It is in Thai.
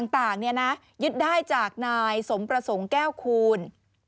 ต่างยึดได้จากนายสมประสงค์แก้วคูณ